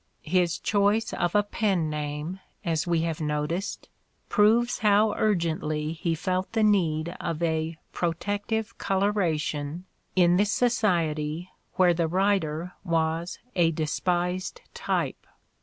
His choice of a pen name, as we have noticed, proves how urgently he felt the need of a "protective coloration" in this society where the writer was a despised type.